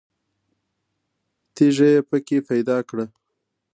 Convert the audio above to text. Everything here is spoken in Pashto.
تیږه یې په کې پیدا کړه.